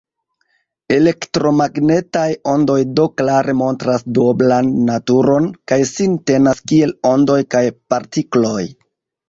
Elektromagnetaj ondoj do klare montras duoblan naturon, kaj sin tenas kiel ondoj kaj partikloj.